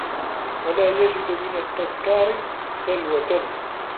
وَلَا يَجِدُ مِنْ التَّذْكَارِ سَلْوَةً